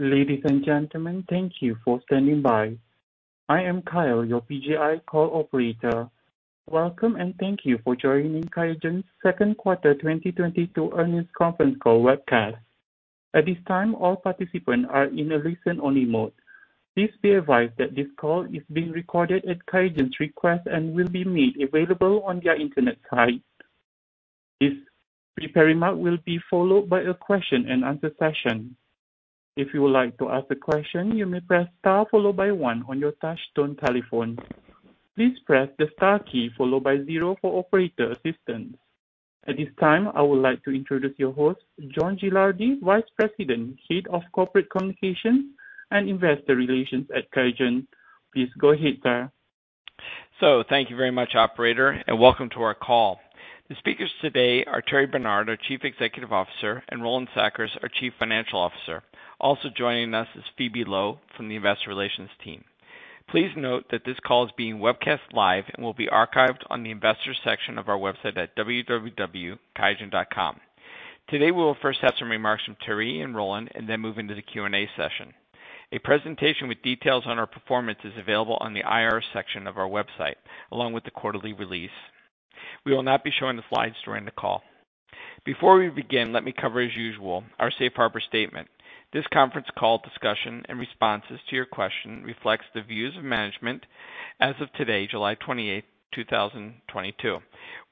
Ladies and gentlemen, thank you for standing by. I am Kyle, your PGI call operator. Welcome, and thank you for joining QIAGEN's second quarter 2022 earnings conference call webcast. At this time, all participants are in a listen-only mode. Please be advised that this call is being recorded at QIAGEN's request and will be made available on their Internet site. This prepared remark will be followed by a question-and-answer session. If you would like to ask a question, you may press star followed by one on your touchtone telephone. Please press the star key followed by zero for operator assistance. At this time, I would like to introduce your host, John Gilardi, Vice President, Head of Corporate Communications and Investor Relations at QIAGEN. Please go ahead, sir. Thank you very much, operator, and welcome to our call. The speakers today are Thierry Bernard, our Chief Executive Officer, and Roland Sackers, our Chief Financial Officer. Also joining us is Phoebe Loh from the Investor Relations team. Please note that this call is being webcast live and will be archived on the investor section of our website at www.qiagen.com. Today, we will first have some remarks from Thierry and Roland and then move into the Q&A session. A presentation with details on our performance is available on the IR section of our website, along with the quarterly release. We will not be showing the slides during the call. Before we begin, let me cover as usual our safe harbor statement. This conference call discussion and responses to your question reflects the views of management as of today, July 28th 2022.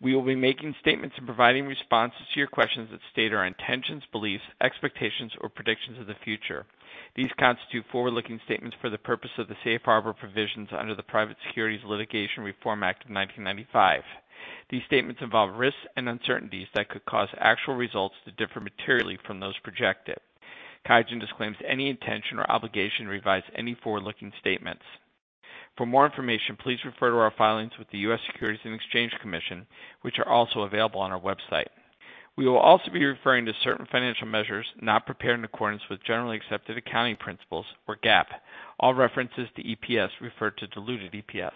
We will be making statements and providing responses to your questions that state our intentions, beliefs, expectations, or predictions of the future. These constitute forward-looking statements for the purpose of the safe harbor provisions under the Private Securities Litigation Reform Act of 1995. These statements involve risks and uncertainties that could cause actual results to differ materially from those projected. QIAGEN disclaims any intention or obligation to revise any forward-looking statements. For more information, please refer to our filings with the U.S. Securities and Exchange Commission, which are also available on our website. We will also be referring to certain financial measures not prepared in accordance with generally accepted accounting principles or GAAP. All references to EPS refer to diluted EPS.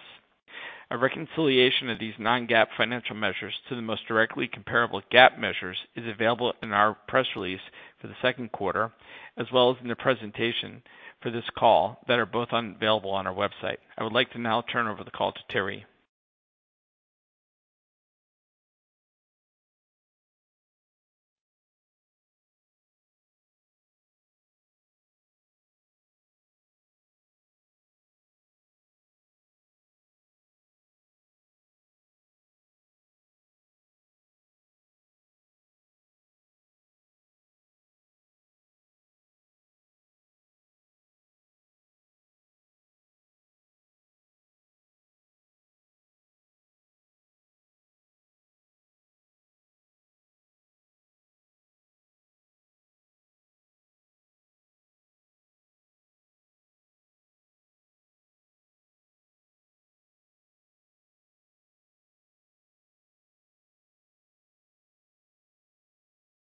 A reconciliation of these non-GAAP financial measures to the most directly comparable GAAP measures is available in our press release for the second quarter, as well as in the presentation for this call that are both available on our website. I would like to now turn over the call to Thierry.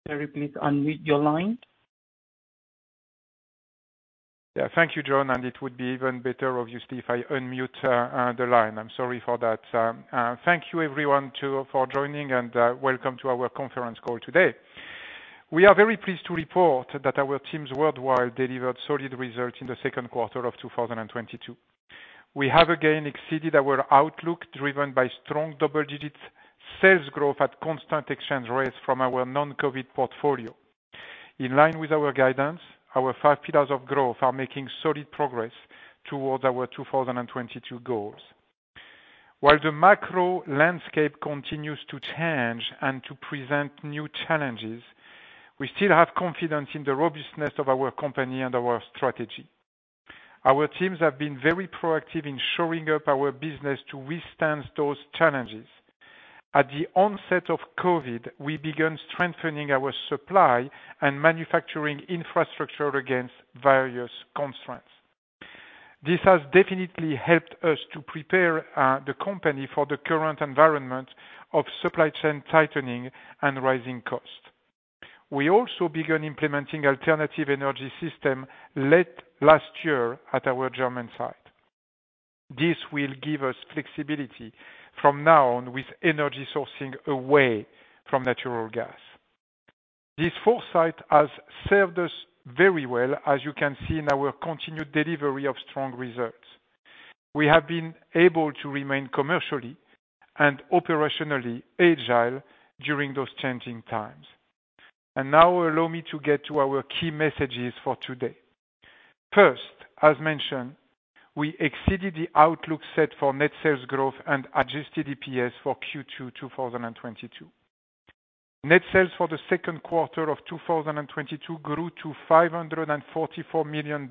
Thierry, please unmute your line. Yeah. Thank you, John, and it would be even better, obviously, if I unmute the line. I'm sorry for that. Thank you everyone too for joining, and welcome to our conference call today. We are very pleased to report that our teams worldwide delivered solid results in the second quarter of 2022. We have again exceeded our outlook, driven by strong double-digit sales growth at constant exchange rates from our non-COVID portfolio. In line with our guidance, our five pillars of growth are making solid progress towards our 2022 goals. While the macro landscape continues to change and to present new challenges, we still have confidence in the robustness of our company and our strategy. Our teams have been very proactive in shoring up our business to withstand those challenges. At the onset of COVID, we began strengthening our supply and manufacturing infrastructure against various constraints. This has definitely helped us to prepare the company for the current environment of supply chain tightening and rising costs. We also began implementing alternative energy system late last year at our German site. This will give us flexibility from now on with energy sourcing away from natural gas. This foresight has served us very well, as you can see in our continued delivery of strong results. We have been able to remain commercially and operationally agile during those changing times. Now allow me to get to our key messages for today. First, as mentioned, we exceeded the outlook set for net sales growth and adjusted EPS for Q2 2022. Net sales for the second quarter of 2022 grew to $544 million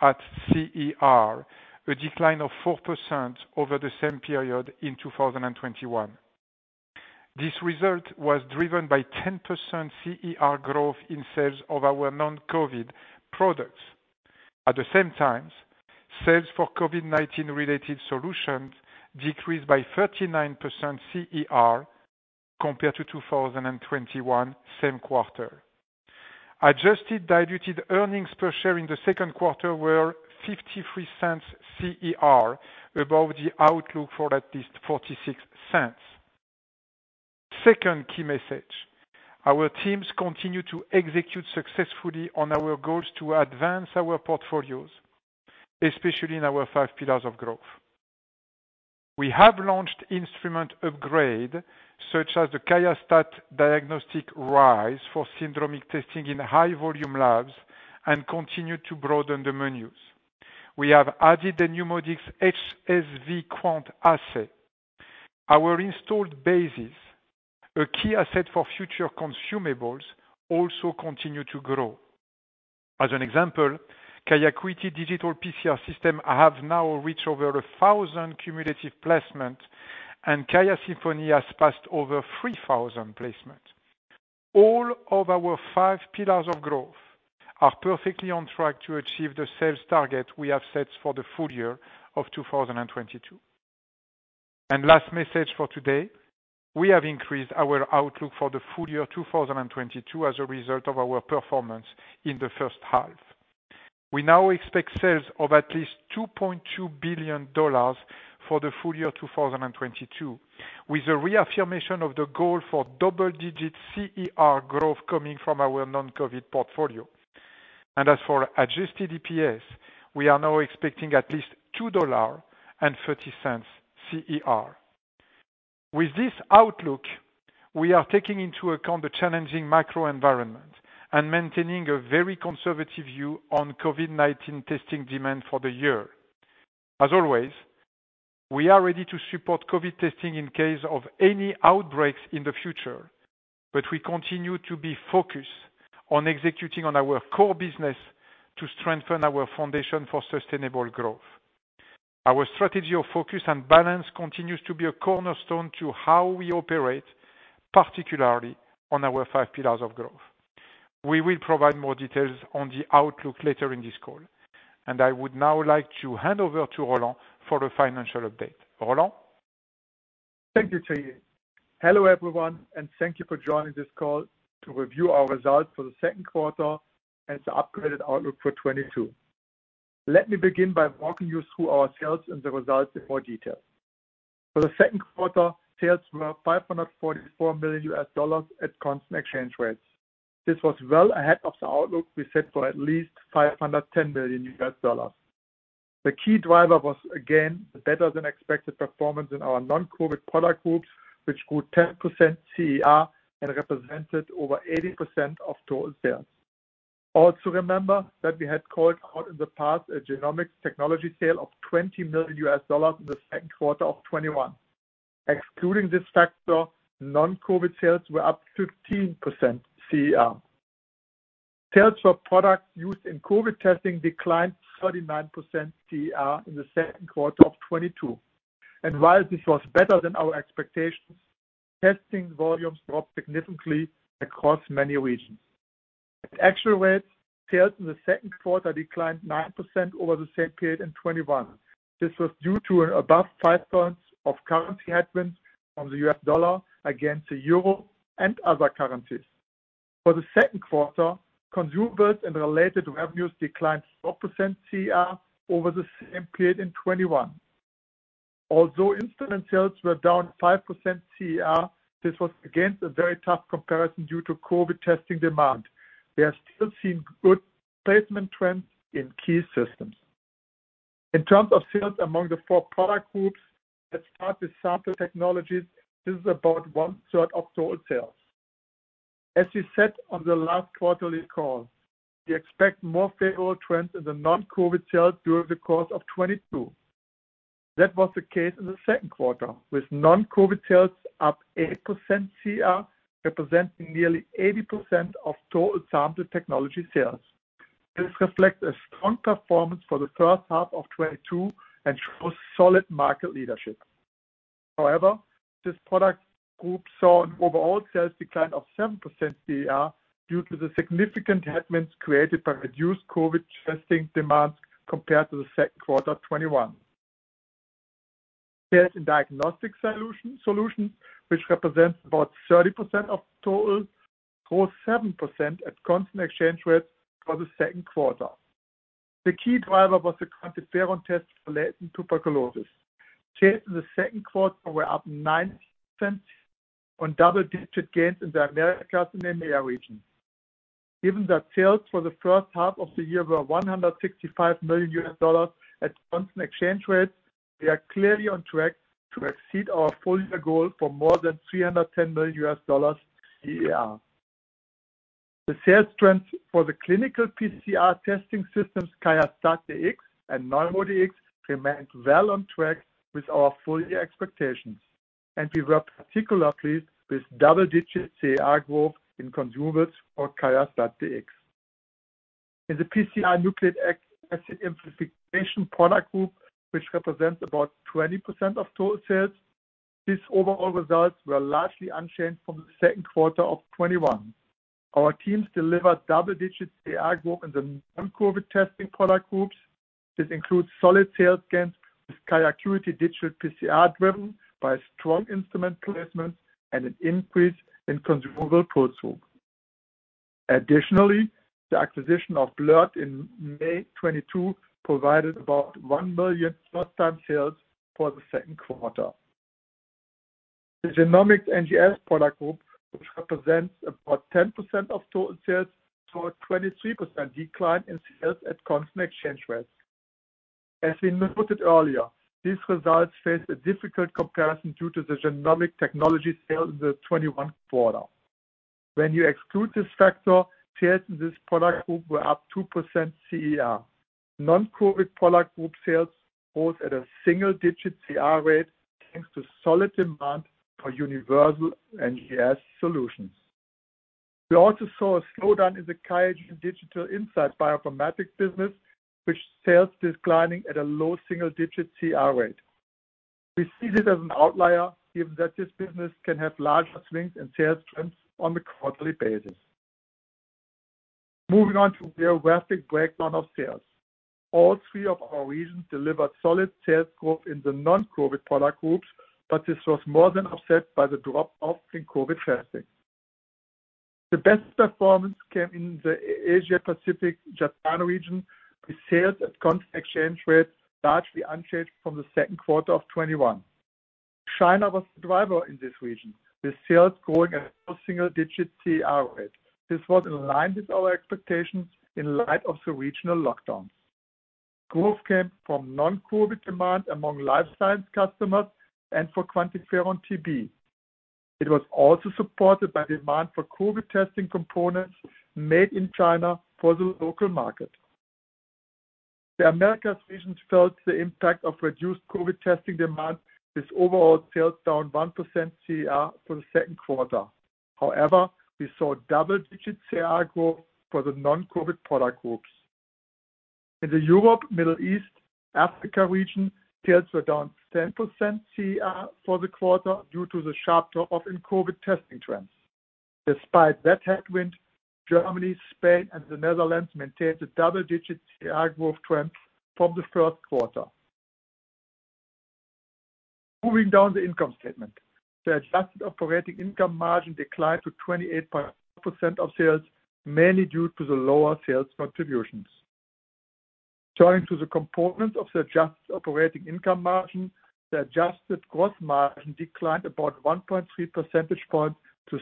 at CER, a decline of 4% over the same period in 2021. This result was driven by 10% CER growth in sales of our non-COVID products. At the same time, sales for COVID-19 related solutions decreased by 39% CER compared to 2021 same quarter. Adjusted diluted earnings per share in the second quarter were $0.53 CER above the outlook for at least $0.46. Second key message, our teams continue to execute successfully on our goals to advance our portfolios, especially in our five pillars of growth. We have launched instrument upgrade, such as the QIAstat-Diagnostic Rise for syndromic testing in high volume labs and continue to broaden the menus. We have added the NeuMoDx HSV Quant Assay. Our installed bases, a key asset for future consumables, also continue to grow. As an example, QIAcuity digital PCR system have now reached over 1,000 cumulative placements, and QIAsymphony has passed over 3,000 placements. All of our five pillars of growth are perfectly on track to achieve the sales target we have set for the full year of 2022. Last message for today, we have increased our outlook for the full year 2022 as a result of our performance in the first half. We now expect sales of at least $2.2 billion for the full year 2022, with a reaffirmation of the goal for double-digit CER growth coming from our non-COVID portfolio. As for adjusted EPS, we are now expecting at least $2.30 CER. With this outlook, we are taking into account the challenging macro environment and maintaining a very conservative view on COVID-19 testing demand for the year. As always, we are ready to support COVID testing in case of any outbreaks in the future, but we continue to be focused on executing on our core business to strengthen our foundation for sustainable growth. Our strategy of focus and balance continues to be a cornerstone to how we operate, particularly on our five pillars of growth. We will provide more details on the outlook later in this call, and I would now like to hand over to Roland for the financial update. Roland? Thank you, Thierry. Hello, everyone, and thank you for joining this call to review our results for the second quarter and the upgraded outlook for 2022. Let me begin by walking you through our sales and the results in more detail. For the second quarter, sales were $544 million at constant exchange rates. This was well ahead of the outlook we set for at least $510 million. The key driver was again, the better than expected performance in our non-COVID product groups, which grew 10% CER and represented over 80% of total sales. Also remember that we had called out in the past a genomics technology sale of $20 million in the second quarter of 2021. Excluding this factor, non-COVID sales were up 15% CER. Sales for products used in COVID testing declined 39% CER in the second quarter of 2022. While this was better than our expectations, testing volumes dropped significantly across many regions. At actual rates, sales in the second quarter declined 9% over the same period in 2021. This was due to above five points of currency headwinds from the U.S. dollar against the euro and other currencies. For the second quarter, consumables and related revenues declined 4% CER over the same period in 2021. Although instrument sales were down 5% CER, this was against a very tough comparison due to COVID testing demand. We are still seeing good placement trends in key systems. In terms of sales among the four product groups, let's start with sample technologies. This is about 1/3 of total sales. As we said on the last quarterly call, we expect more favorable trends in the non-COVID sales during the course of 2022. That was the case in the second quarter, with non-COVID sales up 8% CER, representing nearly 80% of total sample technology sales. This reflects a strong performance for the first half of 2022 and shows solid market leadership. However, this product group saw an overall sales decline of 7% CER due to the significant headwinds created by reduced COVID testing demands compared to the second quarter 2021. Sales in diagnostic solutions, which represents about 30% of total, grew 7% at constant exchange rates for the second quarter. The key driver was the QuantiFERON test for latent tuberculosis. Sales in the second quarter were up 9% on double-digit gains in the Americas and EMEA region. Given that sales for the first half of the year were $165 million at constant exchange rates, we are clearly on track to exceed our full year goal for more than $310 million CER. The sales trends for the clinical PCR testing systems, QIAstat-Dx and NeuMoDx, remain well on track with our full year expectations, and we were particularly pleased with double-digit CER growth in consumables for QIAstat-Dx. In the PCR nucleic acid amplification product group, which represents about 20% of total sales, these overall results were largely unchanged from the second quarter of 2021. Our teams delivered double-digit CER growth in the non-COVID testing product groups. This includes solid sales gains with QIAcuity digital PCR driven by strong instrument placement and an increase in consumables throughput. Additionally, the acquisition of BLIRT in May 2022 provided about $1 million first time sales for the second quarter. The Genomics NGS product group, which represents about 10% of total sales, saw a 23% decline in sales at CER. As we noted earlier, these results face a difficult comparison due to the genomic technology sales in the 2021 quarter. When you exclude this factor, sales in this product group were up 2% CER. Non-COVID product group sales growth at a single-digit CER rate, thanks to solid demand for universal NGS solutions. We also saw a slowdown in the QIAGEN Digital Insights Bioinformatics business, with sales declining at a low single-digit CER rate. We see this as an outlier, given that this business can have large swings in sales trends on a quarterly basis. Moving on to the geographic breakdown of sales. All three of our regions delivered solid sales growth in the non-COVID product groups, but this was more than offset by the drop-off in COVID testing. The best performance came in the Asia Pacific Japan region, with sales at constant exchange rates largely unchanged from the second quarter of 2021. China was the driver in this region, with sales growing at a single digit CR rate. This was in line with our expectations in light of the regional lockdowns. Growth came from non-COVID demand among life science customers and for QuantiFERON TB. It was also supported by demand for COVID testing components made in China for the local market. The Americas region felt the impact of reduced COVID testing demand, with overall sales down 1% CER for the second quarter. However, we saw double-digit CER growth for the non-COVID product groups. In the Europe, Middle East, Africa region, sales were down 10% CER for the quarter due to the sharp drop-off in COVID testing trends. Despite that headwind, Germany, Spain, and the Netherlands maintained the double-digit CER growth trends from the first quarter. Moving down the income statement. The adjusted operating income margin declined to 28% of sales, mainly due to the lower sales contributions. Turning to the components of the adjusted operating income margin, the adjusted gross margin declined about 1.3 percentage points to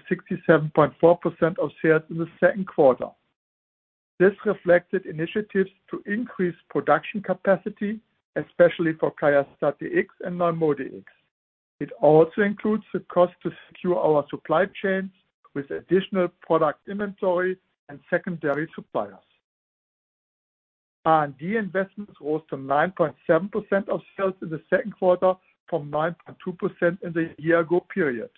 67.4% of sales in the second quarter. This reflected initiatives to increase production capacity, especially for QIAstat-Dx and NeuMoDx. It also includes the cost to secure our supply chains with additional product inventory and secondary suppliers. R&D investments rose to 9.7% of sales in the second quarter from 9.2% in the year ago period.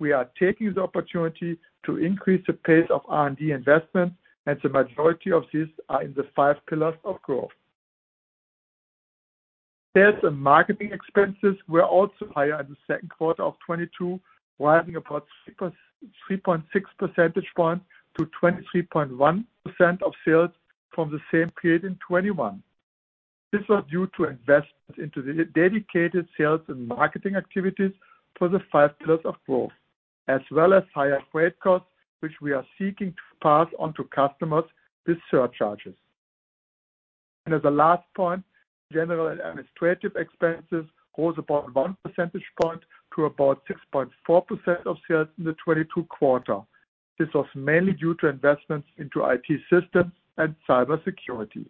We are taking the opportunity to increase the pace of R&D investment, and the majority of these are in the five pillars of growth. Sales and marketing expenses were also higher in the second quarter of 2022, rising about 3.6 percentage points to 23.1% of sales from the same period in 2021. This was due to investments into the dedicated sales and marketing activities for the five pillars of growth, as well as higher freight costs, which we are seeking to pass on to customers with surcharges. As a last point, general and administrative expenses rose about one percentage point to about 6.4% of sales in the 2022 quarter. This was mainly due to investments into IT systems and cybersecurity.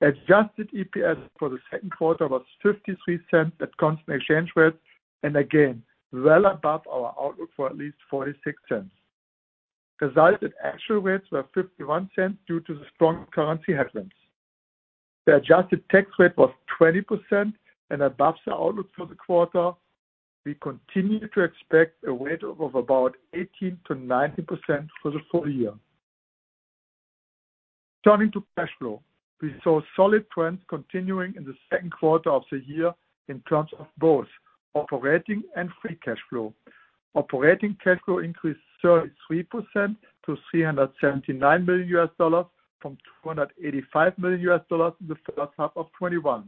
Adjusted EPS for the second quarter was $0.53 at constant exchange rates, and again, well above our outlook for at least $0.46. Reported actual rates were $0.51 due to the strong currency headwinds. The adjusted tax rate was 20% and above the outlook for the quarter. We continue to expect a rate of about 18%-19% for the full year. Turning to cash flow. We saw solid trends continuing in the second quarter of the year in terms of both operating and free cash flow. Operating cash flow increased 33% to $379 million from $285 million in the first half of 2021.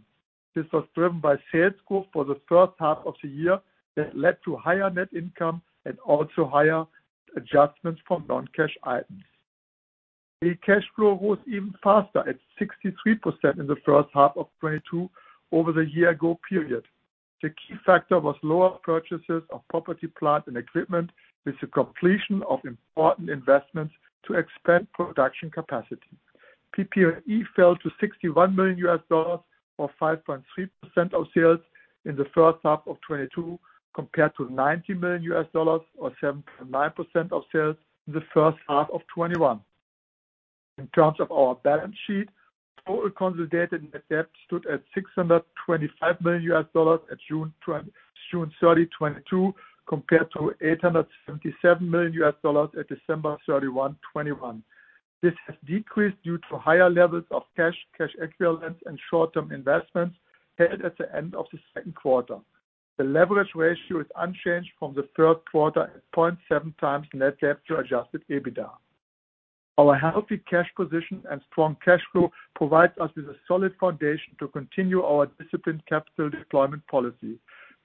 This was driven by sales growth for the first half of the year that led to higher net income and also higher adjustments from non-cash items. Free cash flow rose even faster at 63% in the first half of 2022 over the year ago period. The key factor was lower purchases of property, plant, and equipment with the completion of important investments to expand production capacity. PP&E fell to $61 million, or 5.3% of sales, in the first half of 2022, compared to $90 million or 7.9% of sales in the first half of 2021. In terms of our balance sheet, total consolidated net debt stood at $625 million at June 30, 2022, compared to $877 million at December 31, 2021. This has decreased due to higher levels of cash equivalents, and short-term investments held at the end of the second quarter. The leverage ratio is unchanged from the first quarter at 0.7x net debt to adjusted EBITDA. Our healthy cash position and strong cash flow provides us with a solid foundation to continue our disciplined capital deployment policy.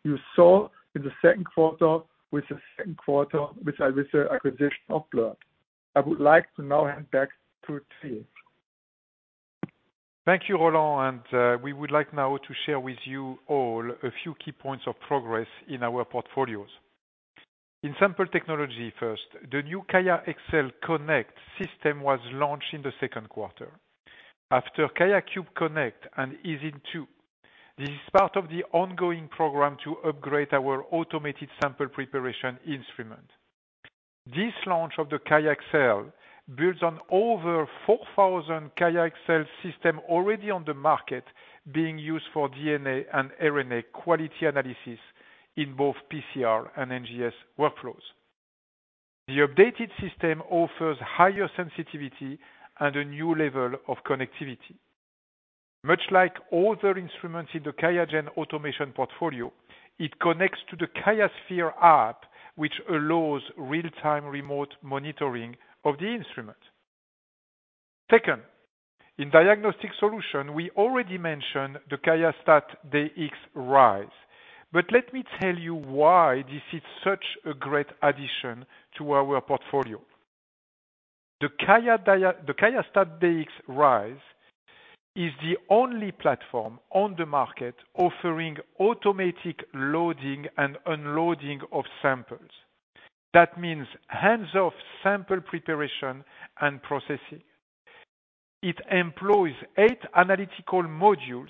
You saw in the second quarter with the acquisition of BLIRT. I would like to now hand back to Thierry. Thank you, Roland, and we would like now to share with you all a few key points of progress in our portfolios. In sample technology first, the new QIAxcel Connect system was launched in the second quarter. After QIAcube Connect and EZ2, this is part of the ongoing program to upgrade our automated sample preparation instrument. This launch of the QIAxcel builds on over 4,000 QIAxcel systems already on the market being used for DNA and RNA quality analysis in both PCR and NGS workflows. The updated system offers higher sensitivity and a new level of connectivity. Much like other instruments in the QIAGEN automation portfolio, it connects to the QIAsphere app, which allows real-time remote monitoring of the instrument. Second, in diagnostic solutions, we already mentioned the QIAstat-Dx Rise. Let me tell you why this is such a great addition to our portfolio. The QIAstat-Dx Rise is the only platform on the market offering automatic loading and unloading of samples. That means hands-off sample preparation and processing. It employs eight analytical modules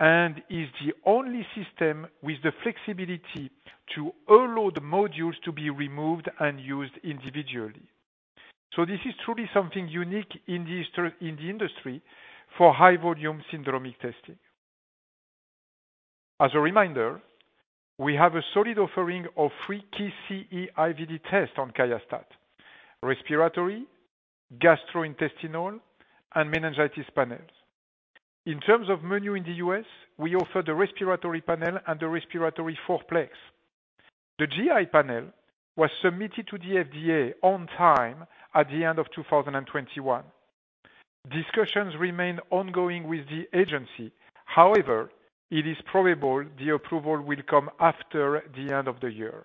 and is the only system with the flexibility to allow the modules to be removed and used individually. This is truly something unique in the industry for high volume syndromic testing. As a reminder, we have a solid offering of three key CE IVD tests on QIAstat, respiratory, gastrointestinal, and meningitis panels. In terms of menu in the U.S., we offer the respiratory panel and the respiratory fourplex. The GI panel was submitted to the FDA on time at the end of 2021. Discussions remain ongoing with the agency. However, it is probable the approval will come after the end of the year.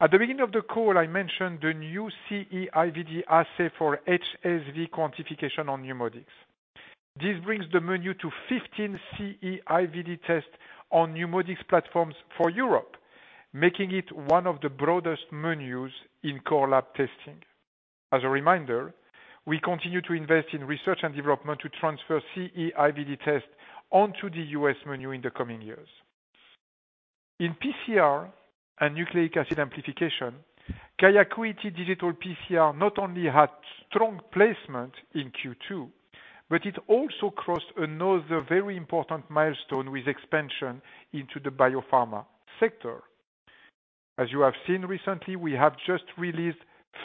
At the beginning of the call, I mentioned the new CE-IVD assay for HSV quantification on NeuMoDx. This brings the menu to 15 CE-IVD tests on NeuMoDx platforms for Europe, making it one of the broadest menus in core lab testing. As a reminder, we continue to invest in research and development to transfer CE-IVD tests onto the U.S. menu in the coming years. In PCR and nucleic acid amplification, QIAcuity digital PCR not only had strong placement in Q2, but it also crossed another very important milestone with expansion into the biopharma sector. As you have seen recently, we have just released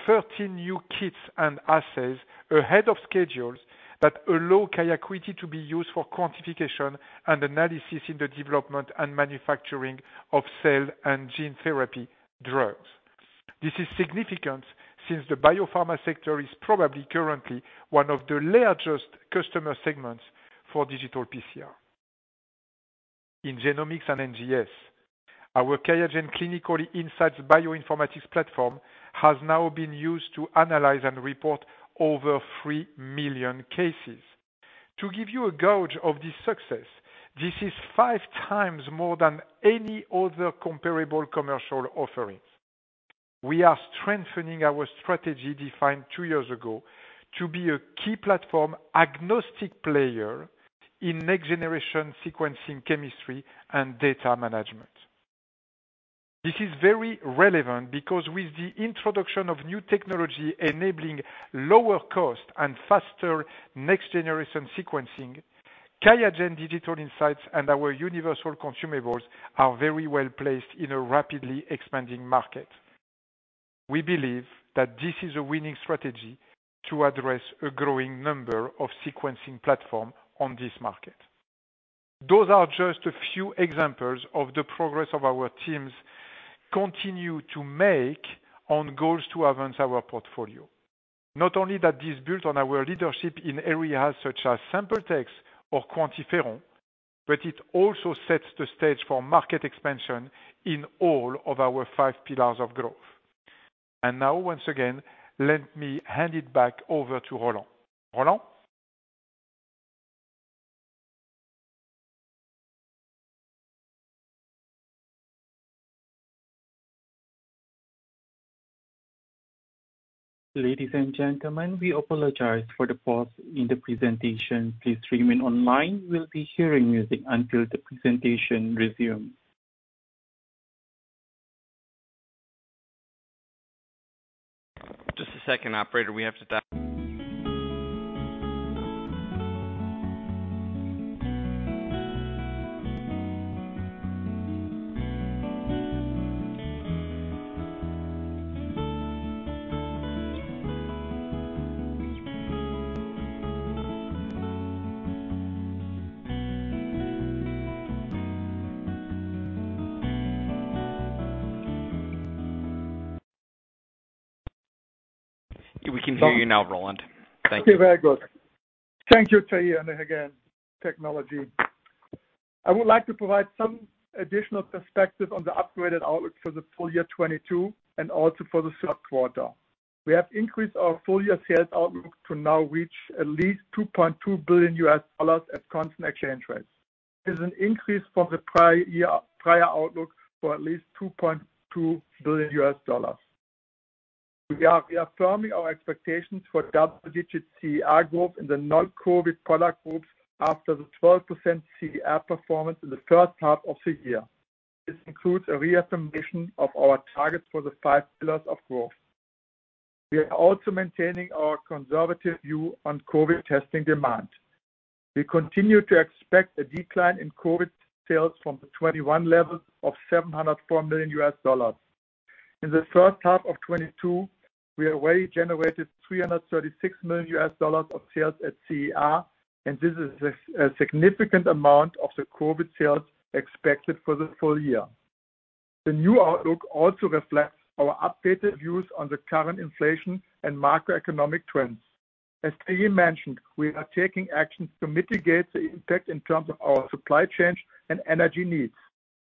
13 new kits and assays ahead of schedules that allow QIAcuity to be used for quantification and analysis in the development and manufacturing of cell and gene therapy drugs. This is significant since the biopharma sector is probably currently one of the largest customer segments for digital PCR. In genomics and NGS, our QIAGEN Clinical Insight Bioinformatics Platform has now been used to analyze and report over three million cases. To give you a gauge of this success, this is five times more than any other comparable commercial offerings. We are strengthening our strategy defined two years ago to be a key platform agnostic player in next generation sequencing, chemistry and data management. This is very relevant because with the introduction of new technology enabling lower cost and faster next generation sequencing, QIAGEN Digital Insights and our universal consumables are very well placed in a rapidly expanding market. We believe that this is a winning strategy to address a growing number of sequencing platform on this market. Those are just a few examples of the progress of our teams continue to make on goals to advance our portfolio. Not only that this builds on our leadership in areas such as sample technologies or QuantiFERON, but it also sets the stage for market expansion in all of our five pillars of growth. Now, once again, let me hand it back over to Roland. Roland? Ladies and gentlemen, we apologize for the pause in the presentation. Please remain online. We'll be hearing music until the presentation resumes. Just a second, operator. We can hear you now, Roland. Thank you. Okay, very good. Thank you, Thierry, and again, technology. I would like to provide some additional perspective on the upgraded outlook for the full year 2022 and also for the third quarter. We have increased our full year sales outlook to now reach at least $2.2 billion at constant exchange rates. This is an increase from the prior outlook for at least $2.2 billion. We are affirming our expectations for double-digit CER growth in the non-COVID product groups after the 12% CER performance in the first half of the year. This includes a reaffirmation of our targets for the five pillars of growth. We are also maintaining our conservative view on COVID testing demand. We continue to expect a decline in COVID sales from the 2021 level of $704 million. In the first half of 2022, we already generated $336 million of sales at CER, and this is a significant amount of the COVID sales expected for the full year. The new outlook also reflects our updated views on the current inflation and macroeconomic trends. As Thierry mentioned, we are taking actions to mitigate the impact in terms of our supply chain and energy needs.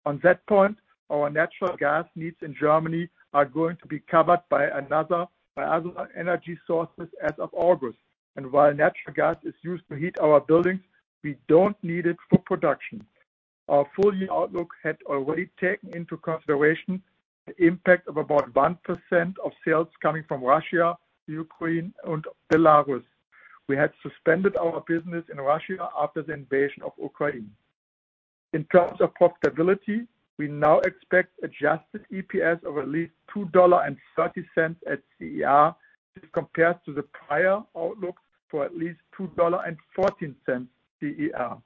On that point, our natural gas needs in Germany are going to be covered by other energy sources as of August. While natural gas is used to heat our buildings, we don't need it for production. Our full year outlook had already taken into consideration the impact of about 1% of sales coming from Russia, Ukraine, and Belarus. We had suspended our business in Russia after the invasion of Ukraine. In terms of profitability, we now expect adjusted EPS of at least $2.30 at CER. This compares to the prior outlook for at least $2.14 CER.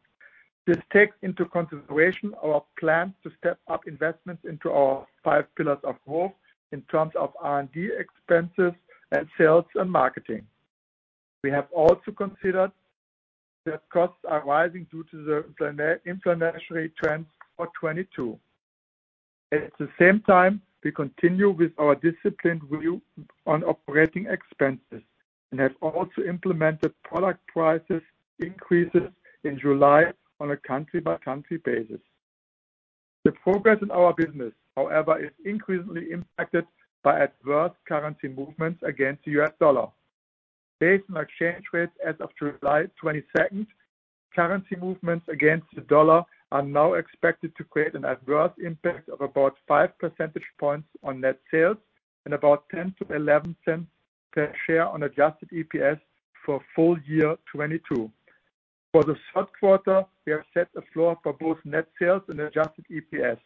This takes into consideration our plan to step up investments into our five pillars of growth in terms of R&D expenses and sales and marketing. We have also considered that costs are rising due to the inflationary trends for 2022. At the same time, we continue with our disciplined view on operating expenses and have also implemented product price increases in July on a country-by-country basis. The progress in our business, however, is increasingly impacted by adverse currency movements against the U.S. Dollar. Based on exchange rates as of July 22nd, currency movements against the dollar are now expected to create an adverse impact of about five percentage points on net sales and about $0.10-$0.11 per share on adjusted EPS for full year 2022. For the third quarter, we have set a floor for both net sales and adjusted EPS.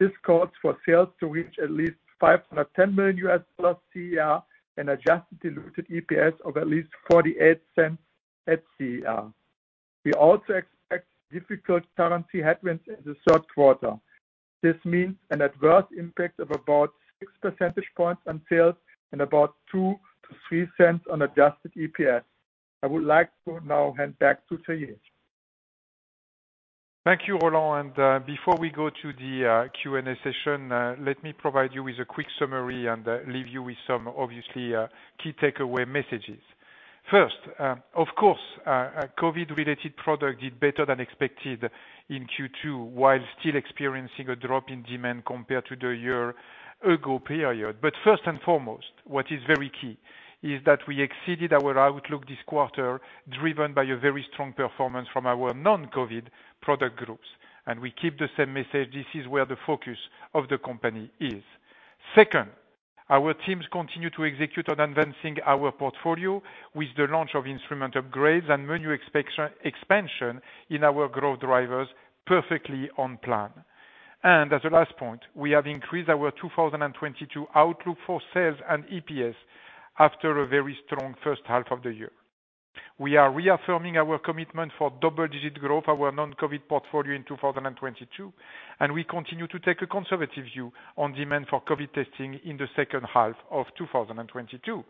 This calls for sales to reach at least $510 million plus CER and adjusted diluted EPS of at least $0.48 at CER. We also expect difficult currency headwinds in the third quarter. This means an adverse impact of about six percentage points on sales and about $0.02-$0.03 on adjusted EPS. I would like to now hand back to Thierry. Thank you, Roland. Before we go to the Q&A session, let me provide you with a quick summary and leave you with some obviously key takeaway messages. First, of course, our COVID-related product did better than expected in Q2 while still experiencing a drop in demand compared to the year ago period. First and foremost, what is very key is that we exceeded our outlook this quarter driven by a very strong performance from our non-COVID product groups. We keep the same message, this is where the focus of the company is. Second, our teams continue to execute on advancing our portfolio with the launch of instrument upgrades and menu expansion in our growth drivers perfectly on plan. As a last point, we have increased our 2022 outlook for sales and EPS after a very strong first half of the year. We are reaffirming our commitment for double-digit growth, our non-COVID portfolio in 2022, and we continue to take a conservative view on demand for COVID testing in the second half of 2022.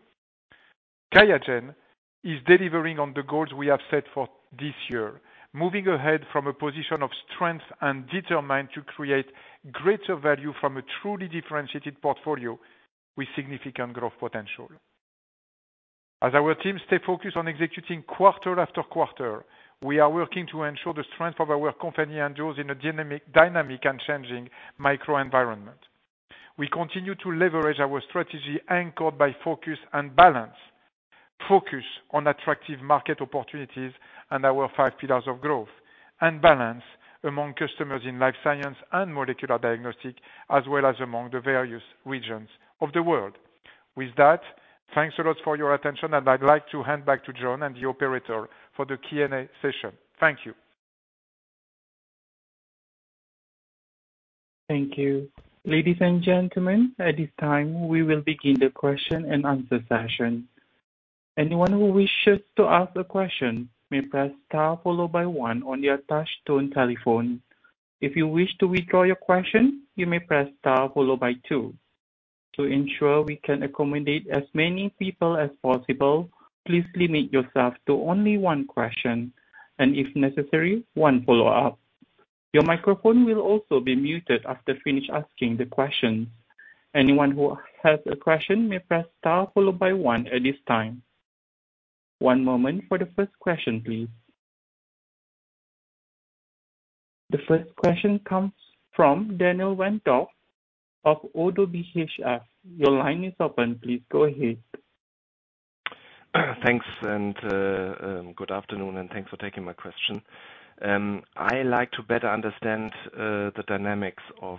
QIAGEN is delivering on the goals we have set for this year, moving ahead from a position of strength and determined to create greater value from a truly differentiated portfolio with significant growth potential. As our teams stay focused on executing quarter after quarter, we are working to ensure the strength of our company endures in a dynamic and changing macro environment. We continue to leverage our strategy anchored by focus and balance. Focus on attractive market opportunities and our five pillars of growth, and balance among customers in life science and molecular diagnostics, as well as among the various regions of the world. With that, thanks a lot for your attention. I'd like to hand back to John and the operator for the Q&A session. Thank you. Thank you. Ladies and gentlemen, at this time, we will begin the question and answer session. Anyone who wishes to ask a question may press star followed by one on your touch tone telephone. If you wish to withdraw your question, you may press star followed by two. To ensure we can accommodate as many people as possible, please limit yourself to only one question, and if necessary, one follow-up. Your microphone will also be muted after finish asking the question. Anyone who has a question may press star followed by one at this time. One moment for the first question, please. The first question comes from Daniel Wendorff of ODDO BHF. Your line is open. Please go ahead. Thanks and, good afternoon, and thanks for taking my question. I like to better understand the dynamics of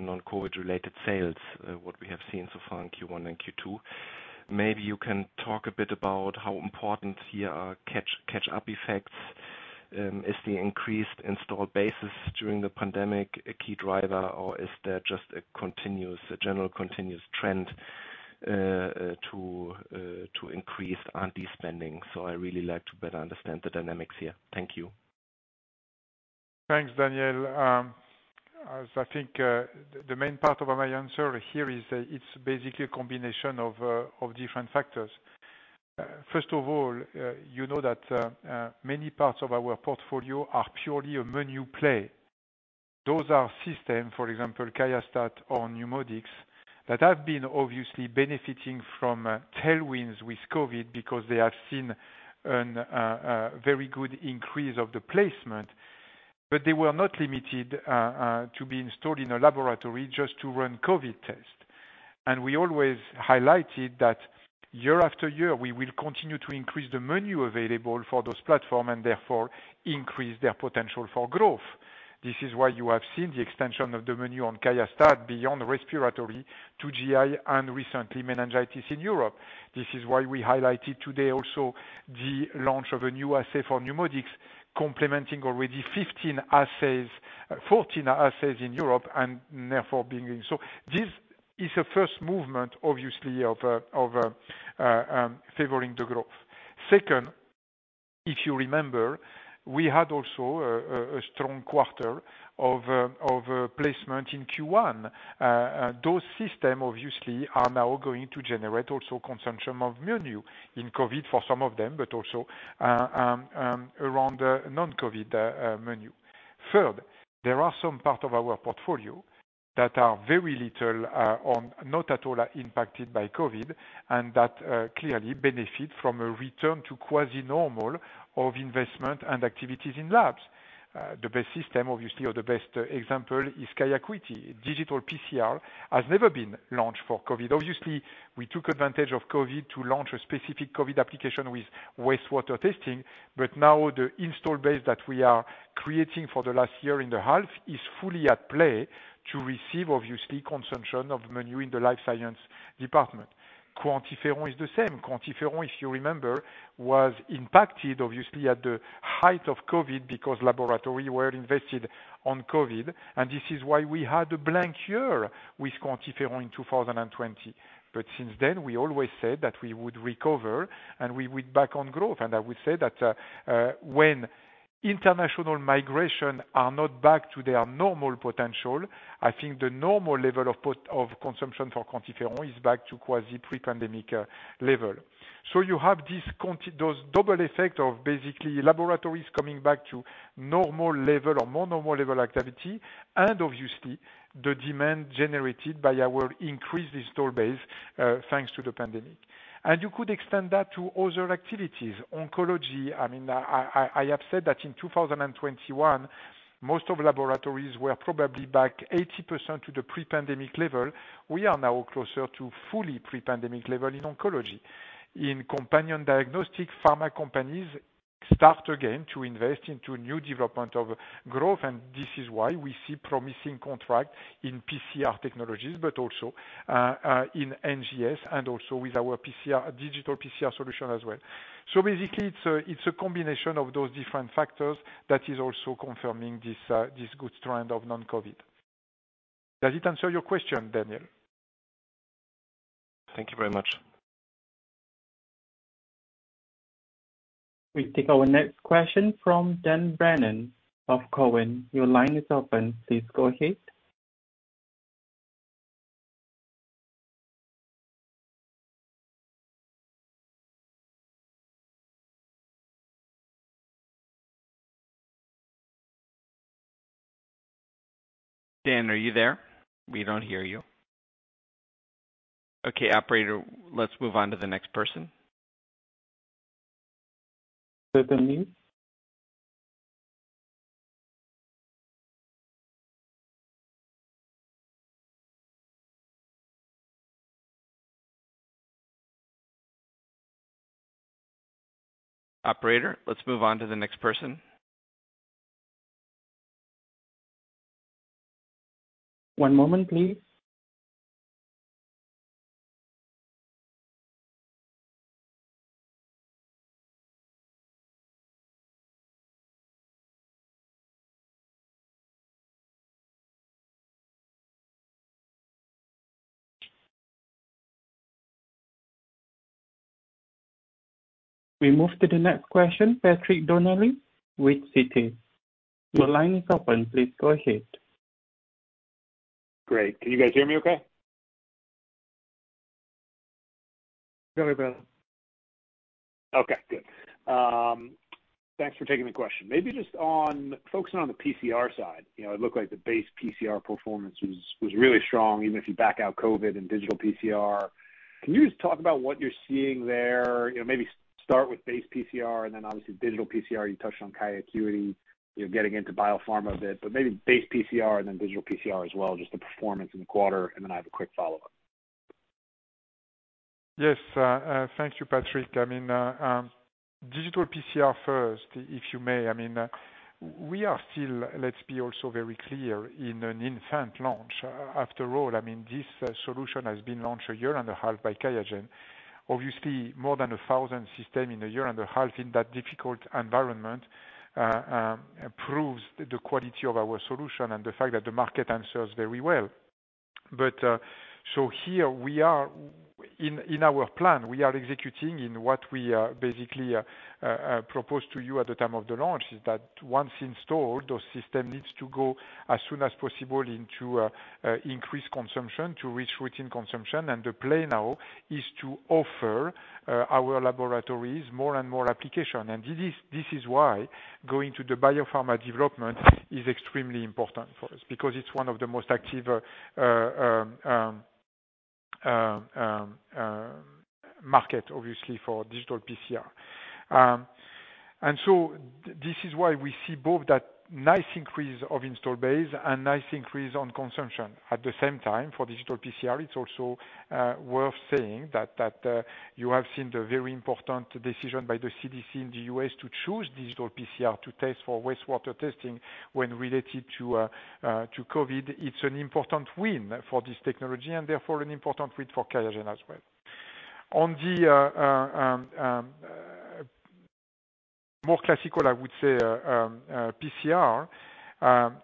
non-COVID related sales, what we have seen so far in Q1 and Q2. Maybe you can talk a bit about how important here are catch-up effects. Is the increased install bases during the pandemic a key driver, or is there just a continuous, a general continuous trend to increase on the spending? I really like to better understand the dynamics here. Thank you. Thanks, Daniel. As I think, the main part of my answer here is that it's basically a combination of different factors. First of all, you know that many parts of our portfolio are purely a menu play. Those are systems, for example, QIAstat or NeuMoDx, that have been obviously benefiting from tailwinds with COVID because they have seen an very good increase of the placement but they were not limited to be installed in a laboratory just to run COVID tests. We always highlighted that year after year, we will continue to increase the menu available for those platform and therefore increase their potential for growth. This is why you have seen the extension of the menu on QIAstat beyond respiratory to GI and recently meningitis in Europe. This is why we highlighted today also the launch of a new assay for NeuMoDx, complementing already 15 assays, 14 assays in Europe. This is a first movement, obviously, of favoring the growth. Second, if you remember, we had also a strong quarter of placement in Q1. Those system obviously are now going to generate also consumption of menu in COVID for some of them, but also around the non-COVID menu. Third, there are some part of our portfolio that are very little or not at all impacted by COVID, and that clearly benefit from a return to quasi-normal of investment and activities in labs. The best system obviously or the best example is QIAcuity. Digital PCR has never been launched for COVID. Obviously, we took advantage of COVID to launch a specific COVID application with wastewater testing, but now the installed base that we are creating for the last year in the health is fully at play to receive obviously consumption of consumables in the life science department. QuantiFERON is the same. QuantiFERON, if you remember, was impacted obviously at the height of COVID because laboratories were invested on COVID, and this is why we had a blank year with QuantiFERON in 2020. Since then, we always said that we would recover, and we went back to growth. I would say that when international migration is not back to their normal potential, I think the normal level of consumption for QuantiFERON is back to quasi pre-pandemic level. You have this continuity. The double effect of basically laboratories coming back to normal level or more normal level activity and obviously the demand generated by our increased installed base, thanks to the pandemic. You could extend that to other activities. Oncology, I mean, I have said that in 2021, most of laboratories were probably back 80% to the pre-pandemic level. We are now closer to fully pre-pandemic level in oncology. In companion diagnostic, pharma companies start again to invest into new development of growth, and this is why we see promising contract in PCR technologies, but also, in NGS and also with our PCR, digital PCR solution as well. Basically, it's a combination of those different factors that is also confirming this good trend of non-COVID. Does it answer your question, Daniel? Thank you very much. We take our next question from Dan Brennan of Cowen. Your line is open. Please go ahead. Dan, are you there? We don't hear you. Okay, operator, let's move on to the next person. Certainly. Operator, let's move on to the next person. One moment, please. We move to the next question, Patrick Donnelly with Citi. Your line is open. Please go ahead. Great. Can you guys hear me okay? Very well. Okay, good. Thanks for taking the question. Maybe just on focusing on the PCR side. You know, it looked like the base PCR performance was really strong, even if you back out COVID and digital PCR. Can you just talk about what you're seeing there? You know, maybe start with base PCR and then obviously digital PCR. You touched on QIAcuity, you're getting into biopharma a bit, but maybe base PCR and then digital PCR as well, just the performance in the quarter. I have a quick follow-up. Yes. Thank you, Patrick. I mean, digital PCR first, if you may. I mean, we are still, let's be also very clear, in an infant launch. After all, I mean, this solution has been launched a year and a half by QIAGEN. Obviously, more than 1,000 system in a year and a half in that difficult environment proves the quality of our solution and the fact that the market answers very well. Here we are. In our plan, we are executing in what we basically proposed to you at the time of the launch, is that once installed, those system needs to go as soon as possible into increased consumption, to reach routine consumption. The play now is to offer our laboratories more and more application. This is why going to the biopharma development is extremely important for us, because it's one of the most active market, obviously, for digital PCR. This is why we see both that nice increase of install base and nice increase on consumption. At the same time, for digital PCR, it's also worth saying that you have seen the very important decision by the CDC in the U.S. to choose digital PCR to test for wastewater testing when related to COVID. It's an important win for this technology and therefore an important win for QIAGEN as well. On the more classical, I would say, PCR,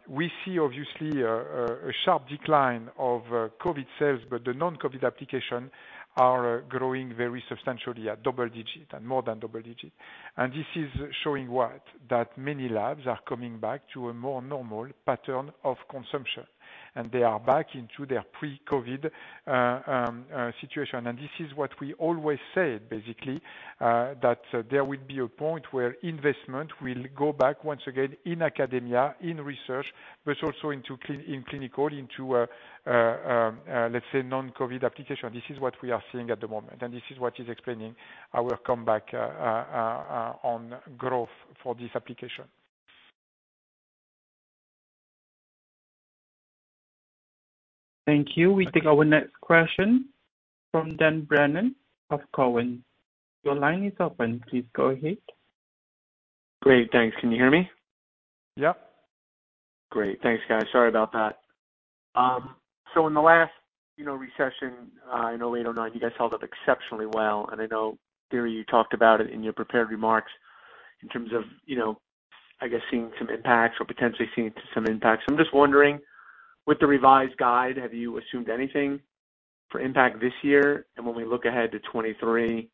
we see obviously a sharp decline of COVID sales, but the non-COVID application are growing very substantially at double digit and more than double digit. This is showing what? That many labs are coming back to a more normal pattern of consumption, and they are back into their pre-COVID situation. This is what we always said, basically, that there would be a point where investment will go back once again in academia, in research, but also into clinical, into let's say non-COVID application. This is what we are seeing at the moment, and this is what is explaining our comeback on growth for this application. Thank you. We take our next question from Dan Brennan of Cowen. Your line is open. Please go ahead. Great, thanks. Can you hear me? Yeah. Great. Thanks, guys. Sorry about that. In the last, you know, recession, in 2008 and 2009, you guys held up exceptionally well. I know, Thierry, you talked about it in your prepared remarks in terms of, you know, I guess seeing some impacts or potentially seeing some impacts. I'm just wondering, with the revised guide, have you assumed anything for impact this year? When we look ahead to 2023,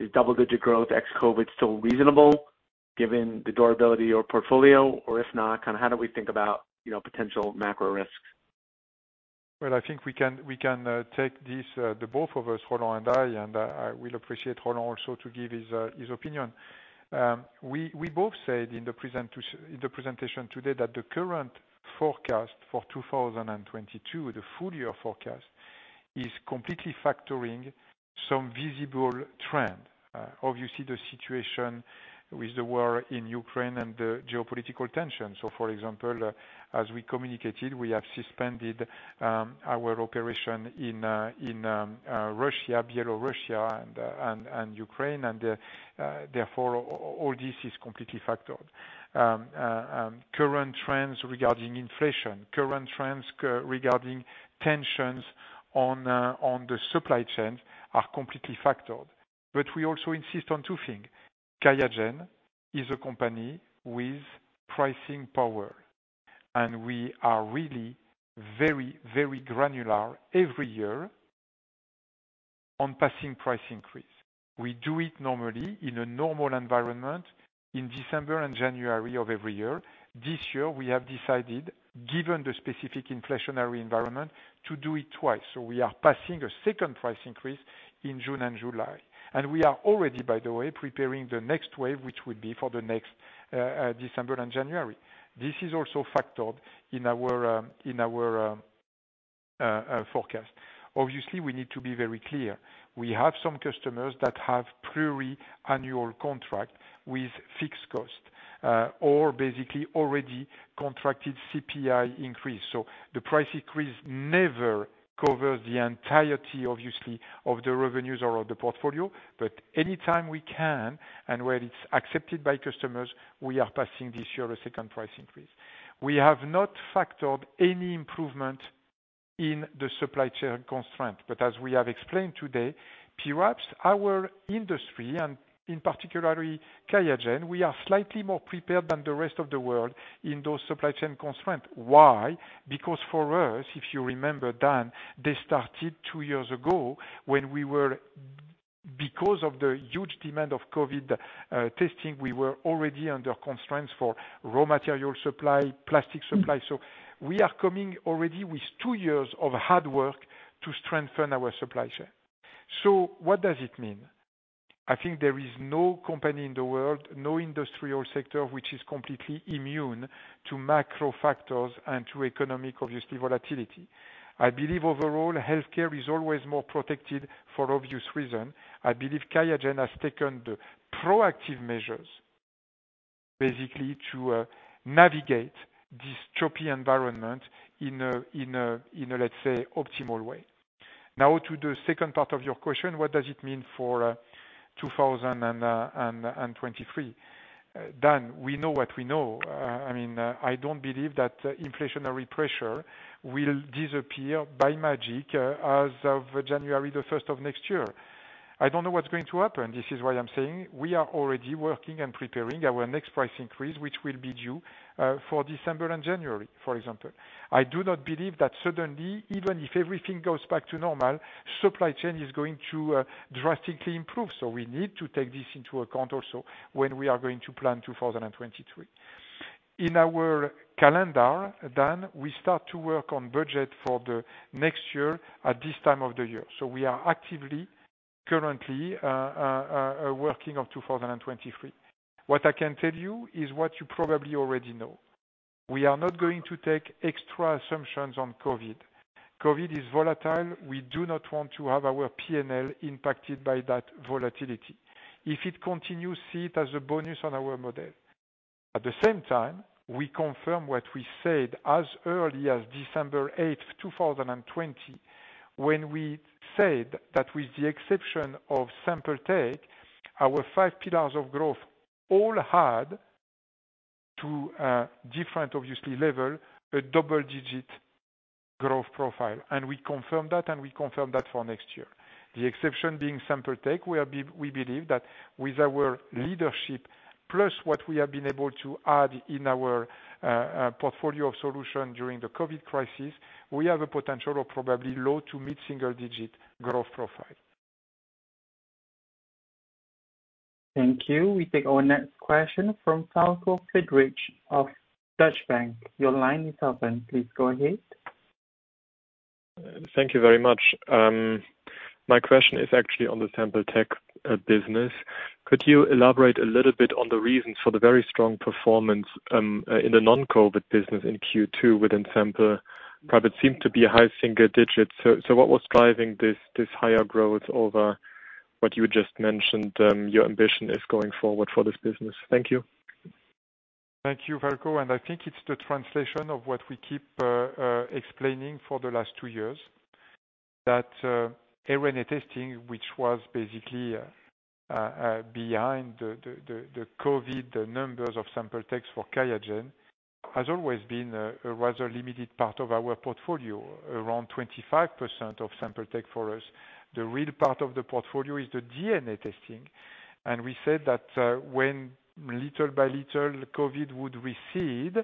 is double-digit growth ex-COVID still reasonable given the durability or portfolio, or if not, kind of how do we think about, you know, potential macro risks? Well, I think we can take this, the both of us, Roland and I, and I will appreciate Roland also to give his opinion. We both said in the presentation today that the current forecast for 2022, the full year forecast, is completely factoring some visible trend. Obviously the situation with the war in Ukraine and the geopolitical tension. For example, as we communicated, we have suspended our operation in Russia, Belarus, and Ukraine, and therefore, all this is completely factored. Current trends regarding inflation, current trends regarding tensions on the supply chains are completely factored. We also insist on two things. QIAGEN is a company with pricing power, and we are really very, very granular every year on passing price increase. We do it normally in a normal environment in December and January of every year. This year, we have decided, given the specific inflationary environment, to do it twice. We are passing a second price increase in June and July. We are already, by the way, preparing the next wave, which will be for the next December and January. This is also factored in our forecast. Obviously, we need to be very clear. We have some customers that have pre-annual contract with fixed cost, or basically already contracted CPI increase. The price increase never covers the entirety, obviously, of the revenues or of the portfolio. Anytime we can and where it's accepted by customers, we are passing this year a second price increase. We have not factored any improvement in the supply chain constraint. As we have explained today, perhaps our industry, and in particular QIAGEN, we are slightly more prepared than the rest of the world in those supply chain constraints. Why? Because for us, if you remember, Dan, they started two years ago because of the huge demand of COVID testing, we were already under constraints for raw material supply, plastic supply. We are coming already with two years of hard work to strengthen our supply chain. What does it mean? I think there is no company in the world, no industry or sector which is completely immune to macro factors and to economic, obviously, volatility. I believe overall healthcare is always more protected for obvious reason. I believe QIAGEN has taken the proactive measures basically to navigate this choppy environment in a, let's say, optimal way. Now to the second part of your question, what does it mean for 2023? Dan, we know what we know. I mean, I don't believe that inflationary pressure will disappear by magic as of January the first of next year. I don't know what's going to happen. This is why I'm saying we are already working and preparing our next price increase, which will be due for December and January, for example. I do not believe that suddenly, even if everything goes back to normal, supply chain is going to drastically improve. We need to take this into account also when we are going to plan 2023. In our calendar, Dan, we start to work on budget for the next year at this time of the year, so we are actively, currently, working on 2023. What I can tell you is what you probably already know. We are not going to take extra assumptions on COVID. COVID is volatile. We do not want to have our P&L impacted by that volatility. If it continues, see it as a bonus on our model. At the same time, we confirm what we said as early as December 8, 2020, when we said that with the exception of Sample tech, our five pillars of growth all had to a different obviously level, a double-digit growth profile. We confirm that for next year. The exception being Sample tech. We believe that with our leadership plus what we have been able to add in our portfolio of solutions during the COVID crisis, we have a potential of probably low- to mid-single-digit growth profile. Thank you. We take our next question from Falko Friedrich of Deutsche Bank. Your line is open. Please go ahead. Thank you very much. My question is actually on the Sample tech business. Could you elaborate a little bit on the reasons for the very strong performance in the non-COVID business in Q2 within Sample? Growth seemed to be a high single digit. What was driving this higher growth over what you just mentioned your ambition is going forward for this business. Thank you. Thank you, Falko, and I think it's the translation of what we keep explaining for the last two years. That RNA testing, which was basically behind the COVID numbers of Sample technologies for QIAGEN, has always been a rather limited part of our portfolio, around 25% of Sample tech for us. The real part of the portfolio is the DNA testing. We said that when little by little COVID would recede,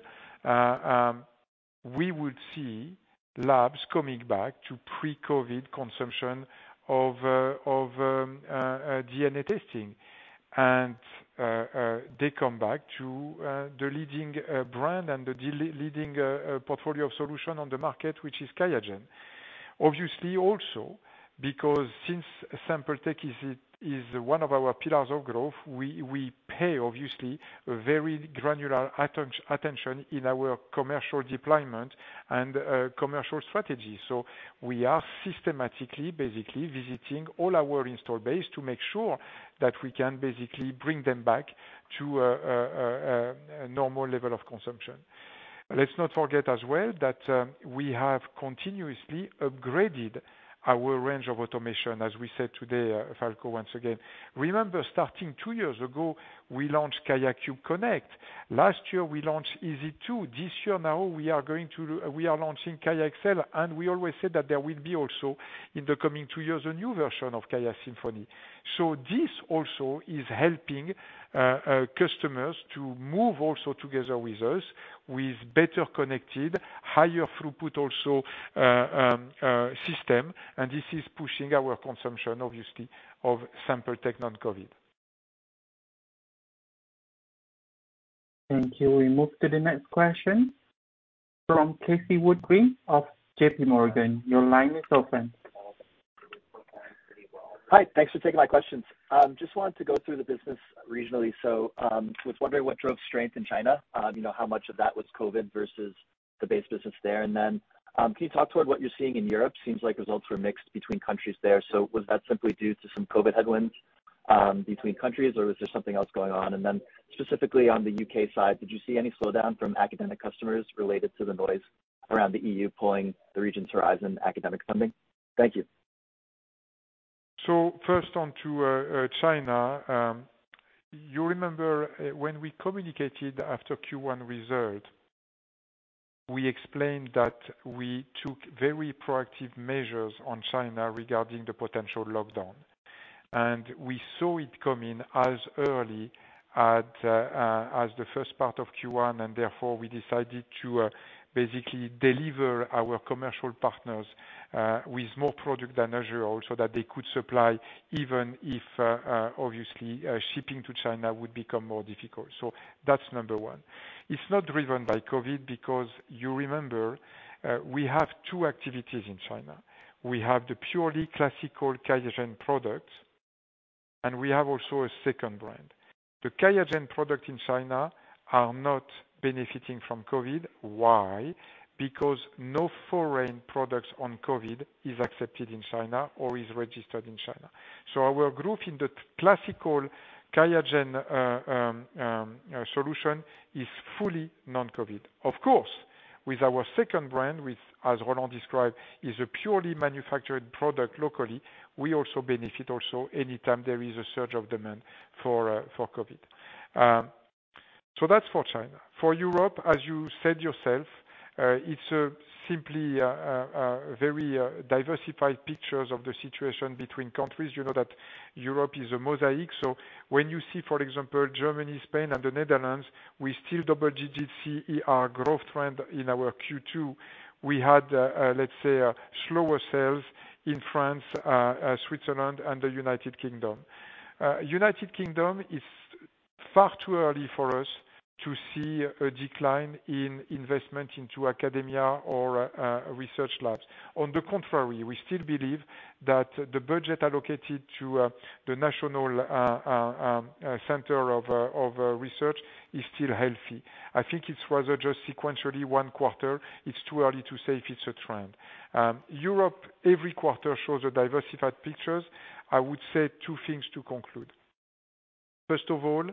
we would see labs coming back to pre-COVID consumption of DNA testing. They come back to the leading brand and the de facto leading portfolio solution on the market, which is QIAGEN. Obviously also because since sample tech is one of our pillars of growth, we pay obviously very granular attention in our commercial deployment and commercial strategy. We are systematically basically visiting all our installed base to make sure that we can basically bring them back to a normal level of consumption. Let's not forget as well that we have continuously upgraded our range of automation, as we said today, Falko, once again. Remember, starting two years ago, we launched QIAcube Connect. Last year, we launched EZ2. This year now we are launching QIAxcel Connect, and we always said that there will be also in the coming two years, a new version of QIAsymphony. This also is helping customers to move also together with us with better connected, higher throughput also system. This is pushing our consumption obviously of Sample tech, non-COVID. Thank you. We move to the next question from Casey Woodring of JP Morgan. Your line is open. Hi. Thanks for taking my questions. Just wanted to go through the business regionally. Was wondering what drove strength in China. You know, how much of that was COVID versus the base business there? Can you talk toward what you're seeing in Europe? Seems like results were mixed between countries there. Was that simply due to some COVID headwinds between countries, or was there something else going on? Specifically on the U.K. side, did you see any slowdown from academic customers related to the noise around the E.U. pulling the region's horizon academic funding? Thank you. First on to China. You remember when we communicated after Q1 results. We explained that we took very proactive measures in China regarding the potential lockdown, and we saw it coming as early as the first part of Q1, and therefore we decided to basically deliver our commercial partners with more product than usual, so that they could supply even if obviously shipping to China would become more difficult. That's number one. It's not driven by COVID because you remember we have two activities in China. We have the purely classical QIAGEN products, and we have also a second brand. The QIAGEN products in China are not benefiting from COVID. Why? Because no foreign products for COVID are accepted in China or are registered in China. Our growth in the classical QIAGEN solution is fully non-COVID. Of course, with our second brand, as Roland described, is a purely manufactured product locally. We also benefit anytime there is a surge of demand for COVID. That's for China. For Europe, as you said yourself, it's simply a very diversified picture of the situation between countries. You know that Europe is a mosaic. When you see, for example, Germany, Spain, and the Netherlands, we still double-digit CER growth trend in our Q2. We had, let's say, slower sales in France, Switzerland and the United Kingdom. The United Kingdom is far too early for us to see a decline in investment into academia or research labs. On the contrary, we still believe that the budget allocated to the national center of research is still healthy. I think it was just sequentially one quarter. It's too early to say if it's a trend. Europe, every quarter shows a diversified pictures. I would say two things to conclude. First of all,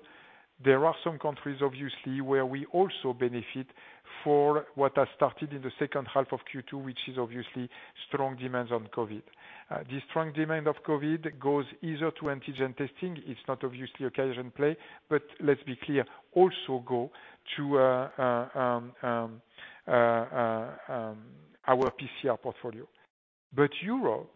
there are some countries obviously where we also benefit for what has started in the second half of Q2, which is obviously strong demands on COVID. The strong demand of COVID goes either to antigen testing. It's not obviously a QIAGEN play, but let's be clear, also go to our PCR portfolio. But Europe,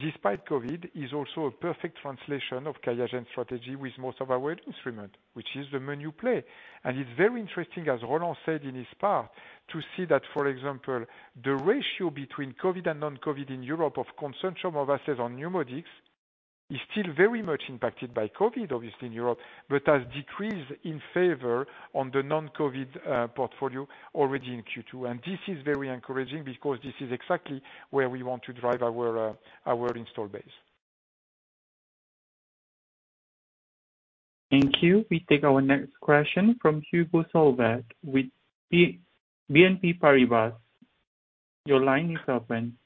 despite COVID, is also a perfect translation of QIAGEN strategy with most of our instrument, which is the menu play. It's very interesting, as Roland said in his part, to see that, for example, the ratio between COVID and non-COVID in Europe of consumption of assays on NeuMoDx is still very much impacted by COVID, obviously in Europe, but has decreased in favor of the non-COVID portfolio already in Q2. This is very encouraging because this is exactly where we want to drive our installed base. Thank you. We take our next question from Hugo Solvet with BNP Paribas. Your line is open.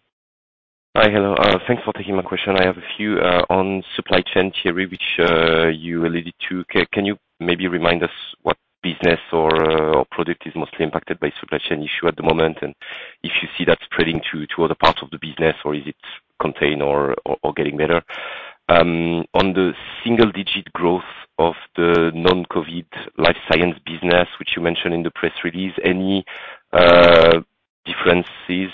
Thanks for taking my question. I have a few on supply chain there, which you alluded to. Can you maybe remind us what business or product is mostly impacted by supply chain issue at the moment? If you see that spreading to other parts of the business, or is it contained or getting better? On the single digit growth of the non-COVID life science business, which you mentioned in the press release, any differences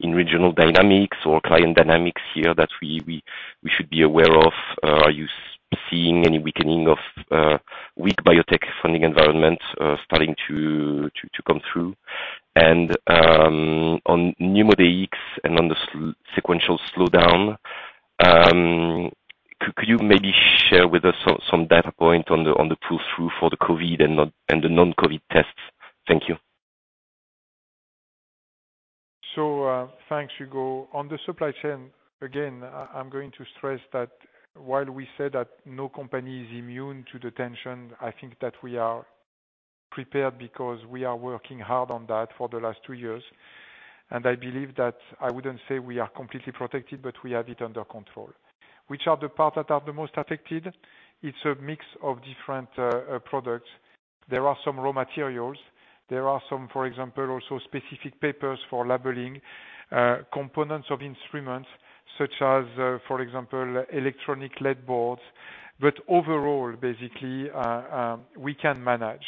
in regional dynamics or client dynamics here that we should be aware of? Are you seeing any weakening in a weak biotech funding environment starting to come through? On NeuMoDx and on the sequential slowdown, could you maybe share with us some data point on the pull-through for the COVID and the non-COVID tests? Thank you. Thanks, Hugo. On the supply chain, again, I'm going to stress that while we said that no company is immune to the tension, I think that we are prepared because we are working hard on that for the last two years. I believe that I wouldn't say we are completely protected, but we have it under control. Which are the part that are the most affected? It's a mix of different products. There are some raw materials. There are some, for example, also specific papers for labeling, components of instruments such as, for example, electronic LED boards. Overall, basically, we can manage.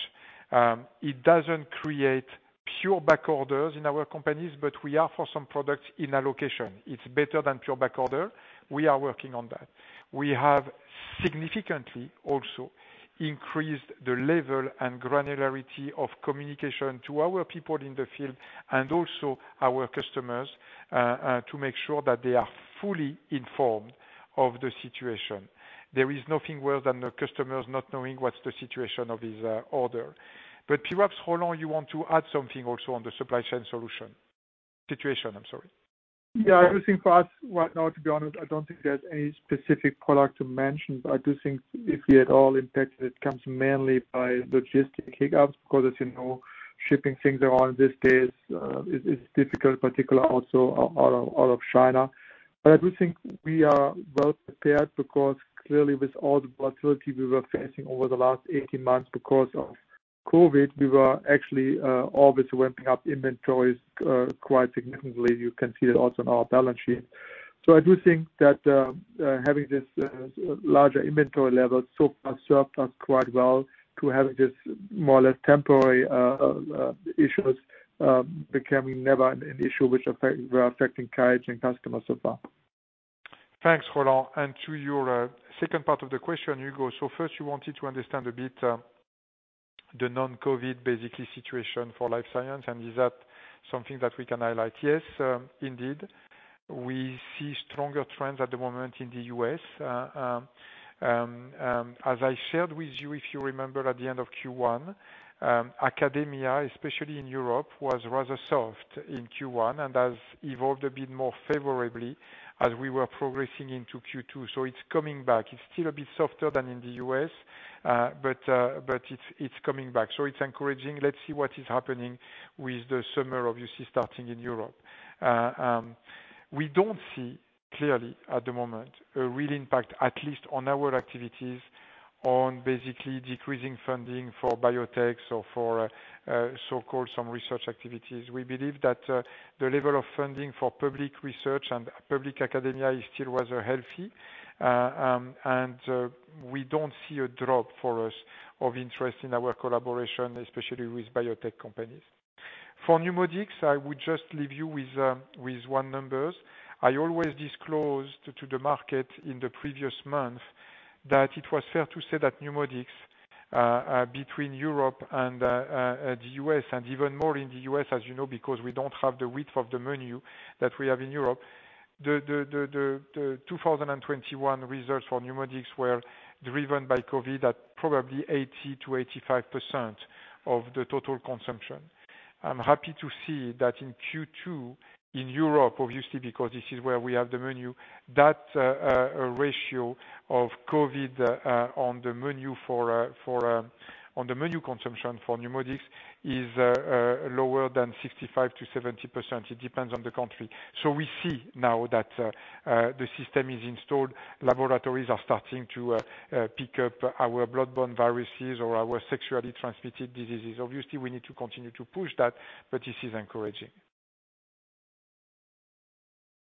It doesn't create huge back orders in our companies, but we are, for some products, in allocation. It's better than huge back order. We are working on that. We have significantly also increased the level and granularity of communication to our people in the field and also our customers to make sure that they are fully informed of the situation. There is nothing worse than the customers not knowing what's the situation of his order. Perhaps, Roland, you want to add something also on the supply chain solution, situation. I'm sorry. Yeah. I do think for us right now, to be honest, I don't think there's any specific product to mention, but I do think if we at all impacted, it comes mainly by logistic hiccups, because as you know, shipping things around these days is difficult, particularly also out of China. I do think we are well prepared because clearly with all the volatility we were facing over the last 18 months because of COVID, we were actually obviously ramping up inventories quite significantly. You can see that also in our balance sheet. I do think that having this larger inventory level so far served us quite well to have this more or less temporary issues becoming never an issue which were affecting QIAGEN customers so far. Thanks, Roland. To your second part of the question, Hugo. First you wanted to understand a bit the non-COVID basically situation for life science and is that something that we can highlight? Yes, indeed. We see stronger trends at the moment in the U.S. As I shared with you, if you remember at the end of Q1, academia, especially in Europe, was rather soft in Q1 and has evolved a bit more favorably as we were progressing into Q2. It's coming back. It's still a bit softer than in the U.S., but it's coming back. It's encouraging. Let's see what is happening with the summer, obviously, starting in Europe. We don't see clearly at the moment a real impact, at least on our activities, on basically decreasing funding for biotechs or for so-called some research activities. We believe that the level of funding for public research and public academia is still rather healthy. We don't see a drop for us of interest in our collaboration, especially with biotech companies. For NeuMoDx, I would just leave you with one numbers. I always disclosed to the market in the previous month that it was fair to say that NeuMoDx between Europe and the U.S., and even more in the U.S., as you know, because we don't have the width of the menu that we have in Europe. The 2021 results for NeuMoDx were driven by COVID at probably 80%-85% of the total consumption. I'm happy to see that in Q2 in Europe, obviously because this is where we have the menu, that ratio of COVID on the menu consumption for NeuMoDx is lower than 65%-70%. It depends on the country. We see now that the system is installed. Laboratories are starting to pick up our blood-borne viruses or our sexually transmitted diseases. Obviously, we need to continue to push that, but this is encouraging.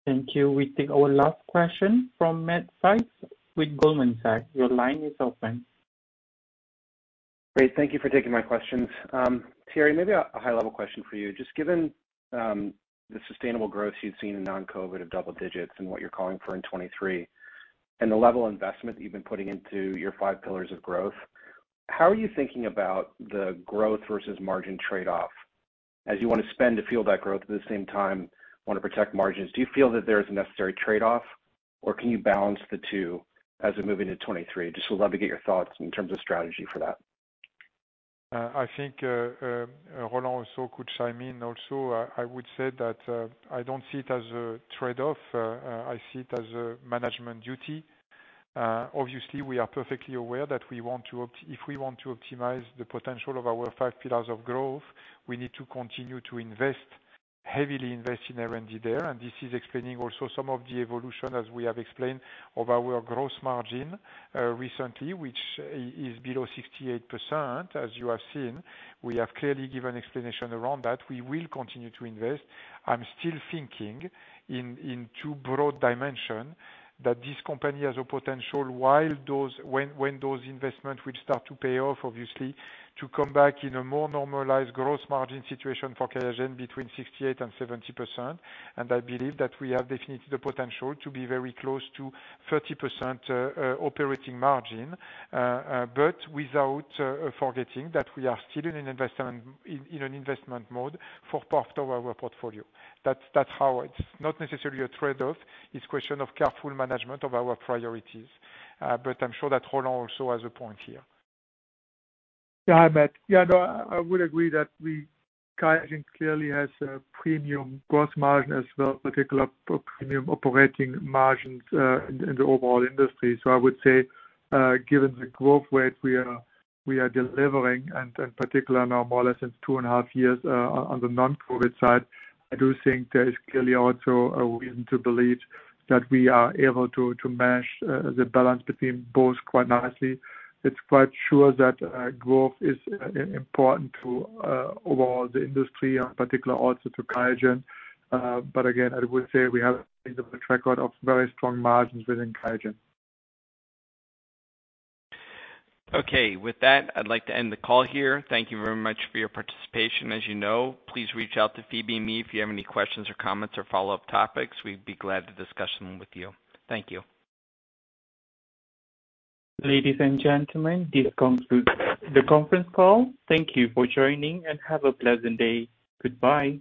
Thank you. We take our last question from Matt Sykes with Goldman Sachs. Your line is open. Great, thank you for taking my questions. Thierry, maybe a high level question for you. Just given the sustainable growth you've seen in non-COVID of double digits and what you're calling for in 2023, and the level of investment that you've been putting into your five pillars of growth, how are you thinking about the growth versus margin trade-off? As you wanna spend to fuel that growth, at the same time, wanna protect margins. Do you feel that there is a necessary trade-off, or can you balance the two as we're moving to 2023? Just would love to get your thoughts in terms of strategy for that. I think, Roland also could chime in also. I would say that, I don't see it as a trade-off. I see it as a management duty. Obviously, we are perfectly aware that if we want to optimize the potential of our five pillars of growth, we need to continue to invest, heavily invest in R&D there. This is explaining also some of the evolution, as we have explained, of our gross margin, recently, which is below 68%, as you have seen. We have clearly given explanation around that. We will continue to invest. I'm still thinking in two broad dimensions that this company has potential while those investments will start to pay off, obviously, to come back in a more normalized gross margin situation for QIAGEN between 68% and 70%. I believe that we have definitely the potential to be very close to 30% operating margin, but without forgetting that we are still in an investment mode for part of our portfolio. That's how it's not necessarily a trade-off. It's a question of careful management of our priorities. I'm sure that Roland also has a point here. Yeah, hi, Matt. Yeah, no, I would agree that QIAGEN clearly has a premium gross margin as well, particularly premium operating margins in the overall industry. I would say, given the growth rate we are delivering, and in particular now more or less in 2.5 years on the non-COVID side, I do think there is clearly also a reason to believe that we are able to mesh the balance between both quite nicely. It's quite sure that growth is important to overall the industry, in particular also to QIAGEN. But again, I would say we have a track record of very strong margins within QIAGEN. Okay. With that, I'd like to end the call here. Thank you very much for your participation. As you know, please reach out to Phoebe and me if you have any questions or comments or follow-up topics. We'd be glad to discuss them with you. Thank you. Ladies and gentlemen, this concludes the conference call. Thank you for joining, and have a pleasant day. Goodbye.